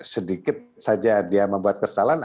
sedikit saja dia membuat kesalahan